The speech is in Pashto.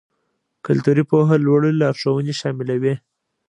کلتوري پوهه لوړ لارښوونې شاملوي.